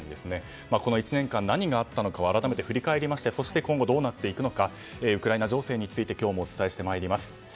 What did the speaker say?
この１年間で何があったのかを改めて振り返りましてそして今後どうなっていくのかウクライナ情勢について今日もお伝えします。